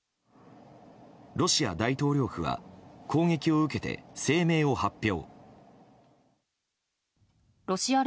ロシア大統領府は攻撃を受けて声明を発表。